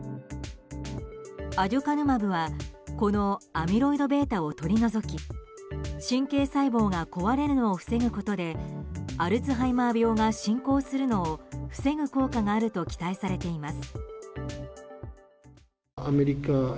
アデュカヌマブはこのアミロイドベータを取り除き神経細胞が壊れるのを防ぐことでアルツハイマー病が進行するのを防ぐ効果があると期待されています。